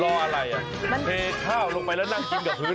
อะไรอ่ะเทข้าวลงไปแล้วนั่งกินกับพื้น